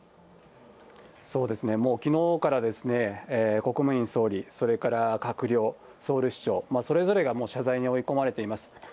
そうですね、きのうから総理、それから閣僚、ソウル市長、それぞれが謝罪に追い込まれています。